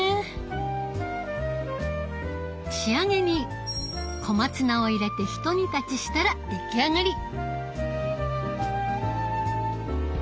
仕上げに小松菜を入れてひと煮立ちしたら出来上がり。